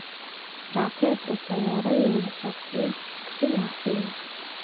راکټ د سیارویو له سطحې عکسونه اخلي